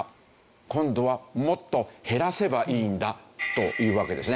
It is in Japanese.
今度はもっと減らせばいいんだというわけですね。